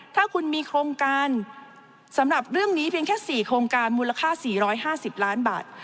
ถ้าคุณมีโครงการสำหรับเรื่องนี้เพียงแค่๔โครงการมูลค่า๔๕๐ล้านบาท